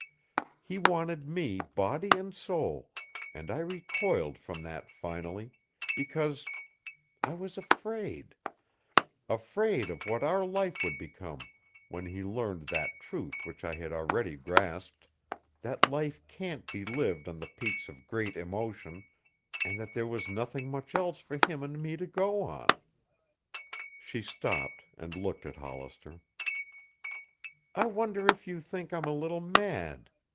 He wanted me body and soul, and I recoiled from that finally, because I was afraid, afraid of what our life would become when he learned that truth which I had already grasped, that life can't be lived on the peaks of great emotion and that there was nothing much else for him and me to go on." She stopped and looked at Hollister. "I wonder if you think I'm a little mad?"